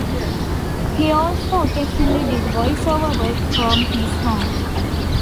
He also occasionally did voice-over work from his home.